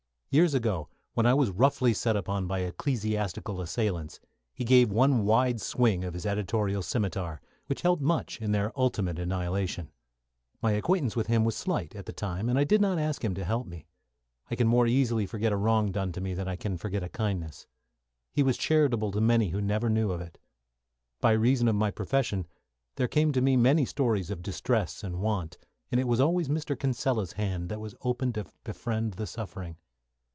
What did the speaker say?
Years ago, when I was roughly set upon by ecclesiastical assailants, he gave one wide swing of his editorial scimitar, which helped much in their ultimate annihilation. My acquaintance with him was slight at the time, and I did not ask him to help me. I can more easily forget a wrong done to me than I can forget a kindness. He was charitable to many who never knew of it. By reason of my profession, there came to me many stories of distress and want, and it was always Mr. Kinsella's hand that was open to befriend the suffering.